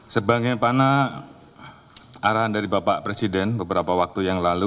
sebagaimana arahan dari bapak presiden beberapa waktu yang lalu